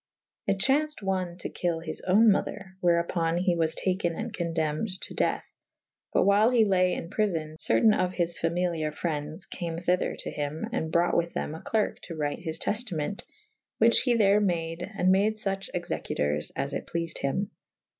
It chaunced one to kyll his owne mother / wherupon he was taken and condempned to deathe / but whyle he lay in pryfon / cer tayne of his familiare frerades cam thyther to hym / and brought with them a clerke to wryte his teftament / whiche he there made /& made fuche executours as it pleafed hym.